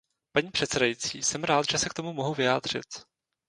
Paní předsedající, jsem rád, že se k tomu mohu vyjádřit.